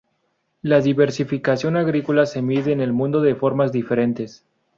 La diversificación agrícola se mide en el mundo de formas diferentes.